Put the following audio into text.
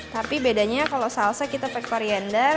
tapi bedanya kalau salsa kita pakai coriander